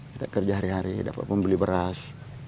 kita kerja hari hari dapat membeli beras